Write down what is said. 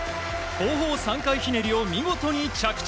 後方３回ひねりを見事に着地。